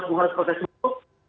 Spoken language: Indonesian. semua orang protes semua orang protes